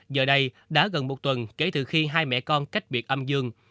giờ đây đã gần một tuần kể từ khi hai mẹ con cách biệt âm dương